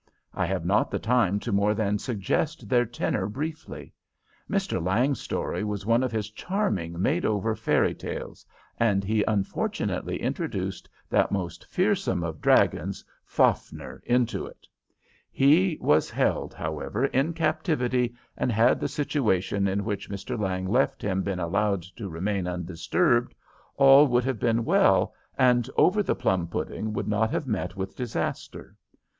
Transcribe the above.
I have not the time to more than suggest their tenor briefly. Mr. Lang's story was one of his charming made over fairy tales, and he unfortunately introduced that most fearsome of dragons Fafner into it. He was held, however, in captivity, and had the situation in which Mr. Lang left him been allowed to remain undisturbed, all would have been well, and "Over the Plum Pudding" would not have met with disaster.